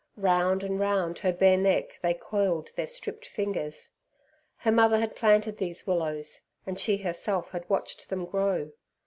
Round and round her bare neck they coiled their stripped fingers. Her mother had planted these willows, and she herself had watched them grow.